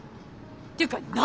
っていうか何？